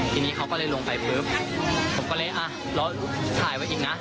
ทีนี้เขาก็เลยลงไปปุ๊บผมก็เลยอ่ะรอถ่ายไว้อีกนะ